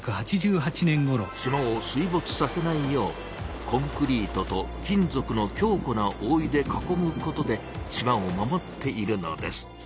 島を水ぼつさせないようコンクリートと金ぞくの強固なおおいで囲むことで島を守っているのです。